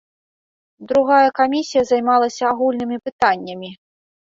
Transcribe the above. Другая камісія займалася агульнымі пытаннямі.